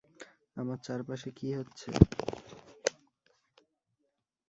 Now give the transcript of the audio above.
আমার চারপাশে কী হচ্ছে?